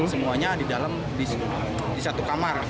semuanya di dalam di satu kamar